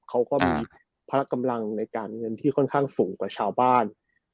เขาก็มีพละกำลังในการเงินที่ค่อนข้างสูงกว่าชาวบ้าน